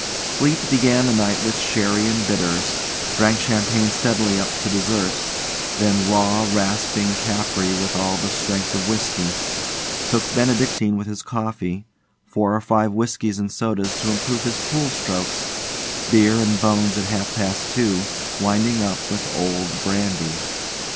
Fleete began the night with sherry and bitters, drank champagne steadily up to dessert, then raw, rasping Capri with all the strength of whisky, took Benedictine with his coffee, four or five whiskies and sodas to improve his pool strokes, beer and bones at half past two, winding up with old brandy.